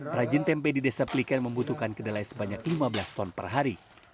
perajin tempe di desa pliken membutuhkan kedelai sebanyak lima belas ton per hari